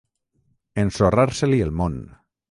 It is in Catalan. Ensorrar-se-li el món.